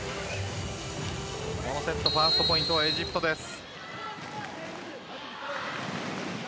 このセットのファーストポイントはエジプトです。